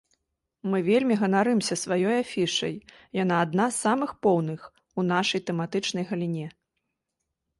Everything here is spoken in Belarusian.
Мы вельмі ганарымся сваёй афішай, яна адна з самых поўных у нашай тэматычнай галіне.